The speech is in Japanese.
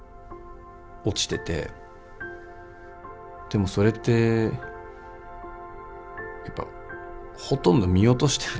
でもそれってやっぱほとんど見落としてると思うんですよね。